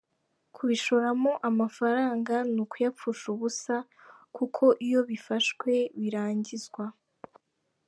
Kubishoramo amafaranga ni ukuyapfusha ubusa kuko iyo bifashwe birangizwa.